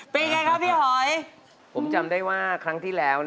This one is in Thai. ผมจำได้ว่าครั้งที่แล้ว